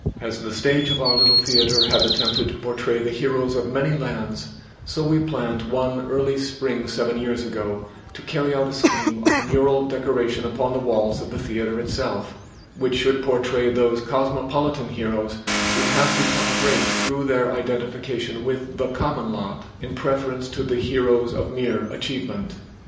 As the stage of our little theater had attempted to portray the heroes of many lands, so we planned one early spring seven years ago, to carry out a scheme of mural decoration upon the walls of the theater itself, which should portray those cosmopolitan heroes who have become great through identification with the common lot, in preference to the heroes of mere achievement.